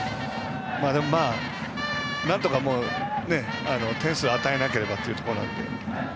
でも、なんとか点数を与えなければというところなので。